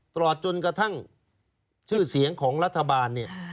ตลอดจนกระทั่งชื่อเสียงของรัฐบาลเนี่ย